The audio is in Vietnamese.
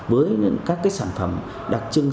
với các sản phẩm đặc trưng